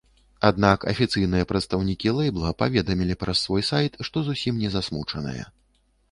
Аднак афіцыйныя прадстаўнікі лэйбла паведамілі праз свой сайт, што зусім не засмучаныя.